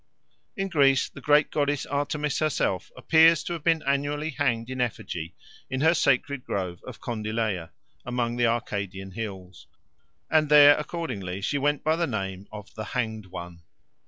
In Greece the great goddess Artemis herself appears to have been annually hanged in effigy in her sacred grove of Condylea among the Arcadian hills, and there accordingly she went by the name of the Hanged One.